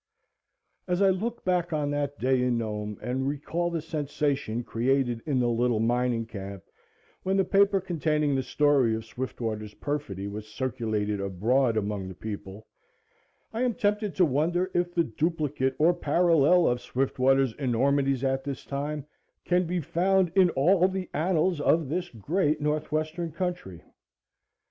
AS I look back on that day in Nome and recall the sensation created in the little mining camp when the paper containing the story of Swiftwater's perfidy was circulated abroad among the people, I am tempted to wonder if the duplicate or parallel of Swiftwater's enormities at this time can be found in all the annals of this great Northwestern country.